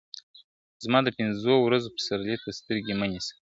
زما د پنځو ورځو پسرلي ته سترګي مه نیسه ,